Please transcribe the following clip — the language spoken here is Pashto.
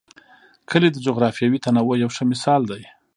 کلي د جغرافیوي تنوع یو ښه مثال دی.